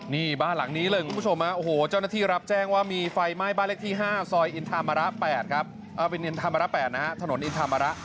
นี่เมื่อวานหลังก็มาโอ้โหผู้ชมรับแจ้งมีไฟไหม้บ้านเล็กที่๕ซอยอินทามาระ๘นะครับ